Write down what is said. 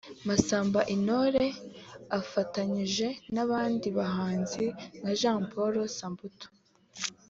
Masamba Intore afatanije n’abandi bahanzi nka Jean Paul Samputu